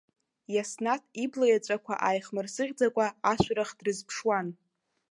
Иаснаҭ, ибла иаҵәақәа ааихмырсыӷьӡакәа, ашәарах дрызԥшуан.